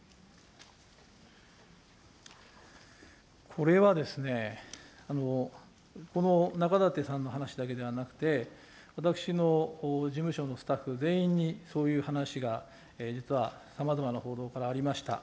これはですね、このなかだてさんの話だけではなくて、私の事務所のスタッフ全員にそういう話が実は、さまざまな報道からありました。